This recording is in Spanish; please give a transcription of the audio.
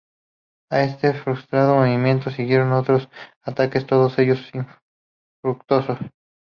A ese frustrado movimiento siguieron otros ataques, todos ellos infructuosos.